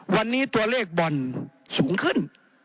วันนี้ตัวเลขบ่อนสูงขึ้น